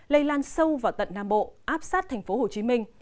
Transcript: lây lan sâu vào tận nam bộ áp sát thành phố hồ chí minh